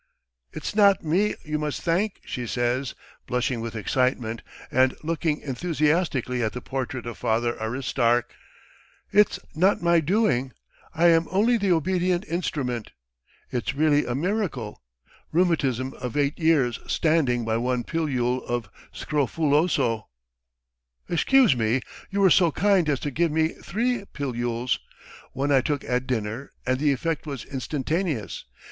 "It's not me you must thank," she says, blushing with excitement and looking enthusiastically at the portrait of Father Aristark. "It's not my doing. ... I am only the obedient instrument .. It's really a miracle. Rheumatism of eight years' standing by one pilule of scrofuloso!" "Excuse me, you were so kind as to give me three pilules. One I took at dinner and the effect was instantaneous!